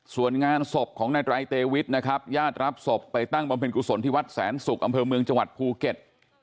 ส่วนงานศพของนายไตรเตวิทนะครับญาติรับศพไปตั้งบำเพ็ญกุศลที่วัดแสนศุกร์อำเภอเมืองจังหวัดภูเก็ต